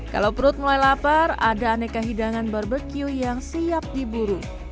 kalau perut mulai lapar ada aneka hidangan barbecue yang siap diburu